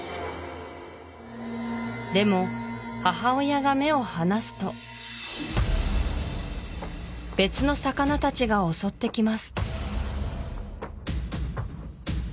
でも母親が目を離すと別の魚たちが襲ってきます